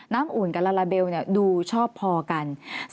อุ่นกับลาลาเบลดูชอบพอกัน